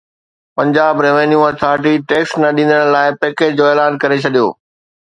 Punjab revenue authority tax نه ڏيندڙن لاءِ پيڪيج جو اعلان ڪري ڇڏيو